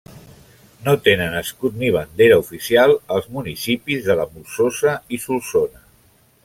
No tenen escut ni bandera oficial els municipis de la Molsosa i Solsona.